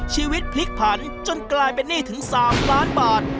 ชีวิตพลิกผันจนกลายเป็นหนี้ถึง๓ล้านบาท